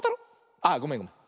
あごめんごめん。